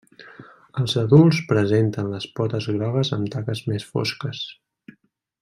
Els adults presenten les potes grogues amb taques més fosques.